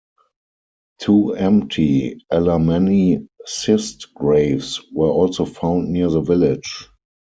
Two empty Alamanni cist graves were also found near the village.